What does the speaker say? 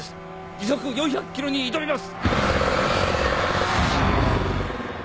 時速４００キロに挑みます！